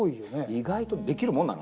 意外とできるものなの？